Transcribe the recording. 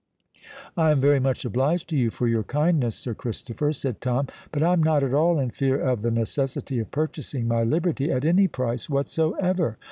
"I am very much obliged to you for your kindness, Sir Christopher," said Tom: "but I am not at all in fear of the necessity of purchasing my liberty at any price whatsoever.